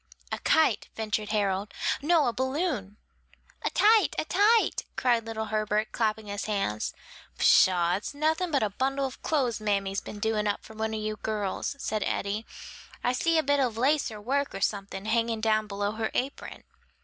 "A kite," ventured Harold. "No, a balloon." "A tite! a tite!" cried little Herbert, clapping his hands. "Pshaw! it's nothing but a bundle of clothes mammy's been doing up for one of you girls," said Eddie. "I see a bit of lace or work, or something, hanging down below her apron."